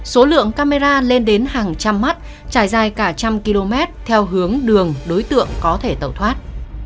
số lượng camera lên đến hàng trăm mắt trải dài cả trăm km theo hướng đường đối tượng có thể tẩu thoát